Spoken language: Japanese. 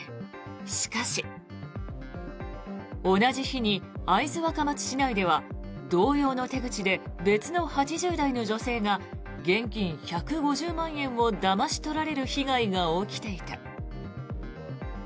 しかし、同じ日に会津若松市内では同様の手口で別の８０代の女性が現金１５０万円をだまし取られる被害が起きていた。